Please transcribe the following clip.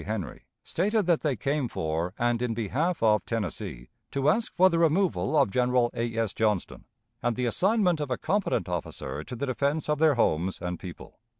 Henry, stated that they came for and in behalf of Tennessee to ask for the removal of General A. S. Johnston, and the assignment of a competent officer to the defense of their homes and people.